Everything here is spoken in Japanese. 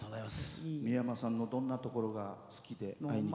三山さんのどんなところが好きで？